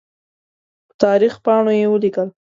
په تاریخ پاڼو یې ولیکل.